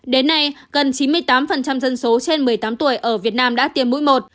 đến nay gần chín mươi tám dân số trên một mươi tám tuổi ở việt nam đã tiêm mũi một